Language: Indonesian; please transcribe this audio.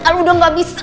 kalo udah gak bisa